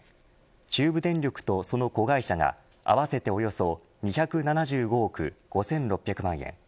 中部電力とその子会社が合わせておよそ２７５億５６００万円